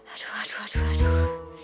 aduh aduh aduh aduh